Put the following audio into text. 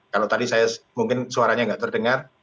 kalau tadi saya mungkin suaranya nggak terdengar